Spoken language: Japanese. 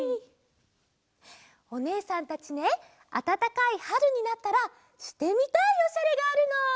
おねえさんたちねあたたかいはるになったらしてみたいおしゃれがあるの。